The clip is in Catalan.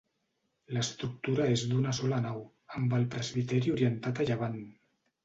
L'estructura és d'una sola nau, amb el presbiteri orientat a llevant.